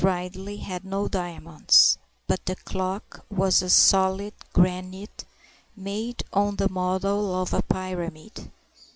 Ridley had no diamonds; but the clock was of solid granite, made on the model of a pyramid.